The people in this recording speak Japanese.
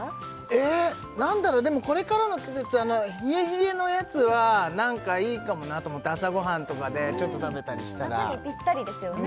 えっ何だろうでもこれからの季節あのヒエヒエのやつはなんかいいかもなと思って朝ごはんとかでちょっと食べたりしたら夏にぴったりですよね